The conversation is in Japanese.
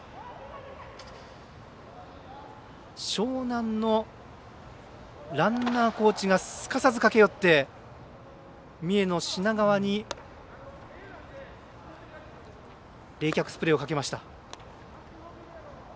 樟南のランナーコーチがすかさず駆け寄って三重の品川に冷却スプレーをかけました。